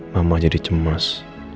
mama jadi cemas